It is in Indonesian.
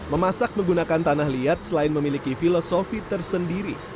memasak menggunakan tanah liat selain memiliki filosofi tersendiri